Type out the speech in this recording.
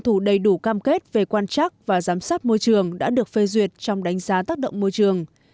thủ đầy đủ cam kết về quan trắc và giám sát môi trường đã được phê duyệt trong đánh giá tác động môi trường